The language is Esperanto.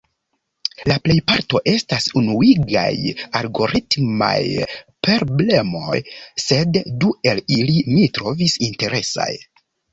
La plejparto estas enuigaj algoritmaj prblemoj, sed du el ili mi trovis interesaj: